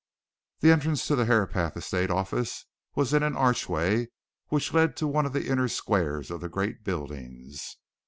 The entrance to the Herapath estate office was in an archway which led to one of the inner squares of the great buildings.